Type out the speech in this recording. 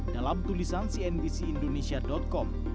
dalam tulisan cnbcindonesia com